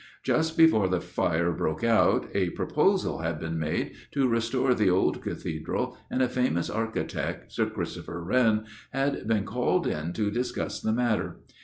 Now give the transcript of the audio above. Just before the Fire broke out, a proposal had been made to restore the old Cathedral, and a famous architect, Sir Christopher Wren, had been called on to discuss the matter.